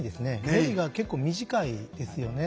練りが結構短いですよね。